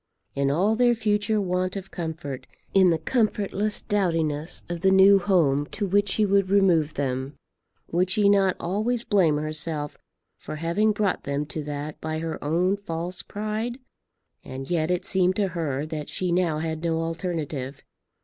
In all their future want of comfort, in the comfortless dowdiness of the new home to which she would remove them, would she not always blame herself for having brought them to that by her own false pride? And yet it seemed to her that she now had no alternative.